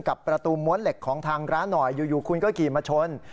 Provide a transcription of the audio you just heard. กับประตูม้วนเหล็กของทางร้านหน่อยอยู่คุณก็ขี่มาชน